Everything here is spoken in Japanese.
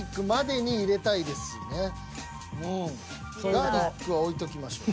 ガ―リックは置いときましょう。